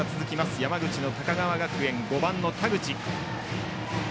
山口の高川学園は５番の田口。